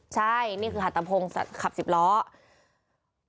ใช่นี่คือหัตตะพงขับ๑๐ล้อน